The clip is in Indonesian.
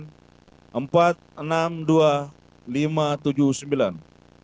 jumlah surat suara yang digunakan